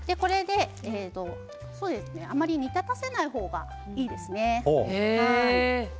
あまり煮立たせない方がいいですね。